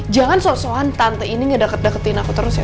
jangan so soan tante ini ngedeket deketin aku terus ya